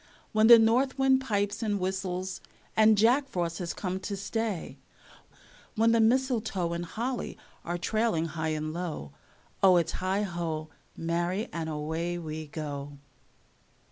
When the north wind pipes and whistles, and Jack Frost has come to stay, When the mistletoe and holly are trailing high and low, O, its heigho, marry, and away we go.